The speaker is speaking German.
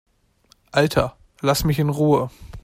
Alter, lass mich in Ruhe!